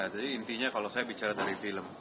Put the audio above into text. intinya kalau saya bicara dari film